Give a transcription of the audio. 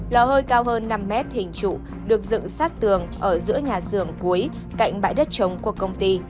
lò hơi cao hơn năm mét hình trụ được dựng sát tường ở giữa nhà xưởng cuối cạnh bãi đất trống của công ty